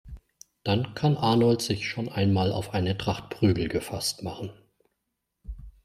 Dann kann Arnold sich schon einmal auf eine Tracht Prügel gefasst machen.